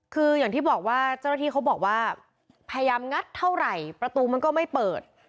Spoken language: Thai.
คืออย่างที่บอกว่าเจ้าหน้าที่เขาบอกว่าพยายามงัดเท่าไหร่ประตูมันก็ไม่เปิด